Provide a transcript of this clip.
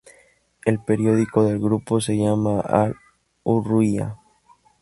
El periódico del grupo se llama 'Al-Hourria'.